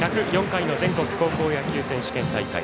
１０４回の全国高校野球選手権大会。